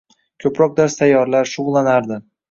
Ko`proq dars tayyorlar, shug`ullanardi